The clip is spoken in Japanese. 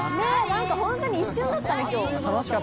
何かホントに一瞬だったね今日。